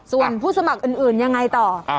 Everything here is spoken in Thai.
ส่วนผู้สมัครอื่นยังไงต่อ